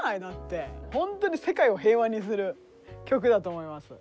本当に世界を平和にする曲だと思います。